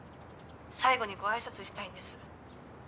最後にご挨拶したいんです。